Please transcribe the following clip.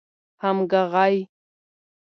همږغۍ